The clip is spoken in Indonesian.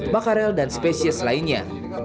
makarel dan spesies lainnya